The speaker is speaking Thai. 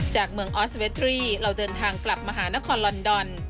จากเมืองออสเวตรีเราเดินทางกลับมหานครลอนดอน